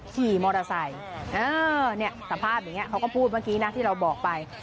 ขี่มอเตอร์ไซค์สภาพอย่างนี้เขาก็พูดเมื่อกี้นะที่เราบอกไป